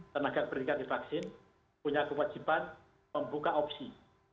tenaga peringkat divaksin punya kewajiban membuka opsi